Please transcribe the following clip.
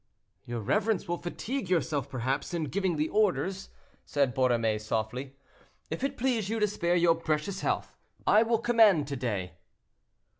"Your reverence will fatigue yourself, perhaps, in giving the orders," said Borromée, softly; "if it please you to spare your precious health, I will command to day."